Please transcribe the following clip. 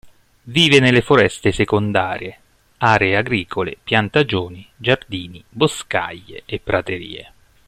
Vive nelle foreste secondarie, aree agricole, piantagioni, giardini, boscaglie e praterie.